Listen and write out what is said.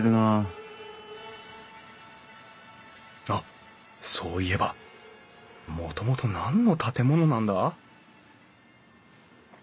あっそういえばもともと何の建物なんだ？